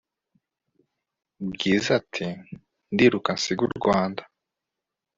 bwiza ati"ndiruka nsige urwanda